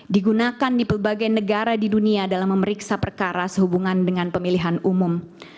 digunakan di berbagai negara di dunia dalam memeriksa perkara sehubungan dengan pemilihan umum